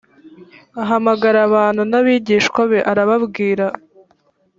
ahamagara abantu n abigishwa be arababwira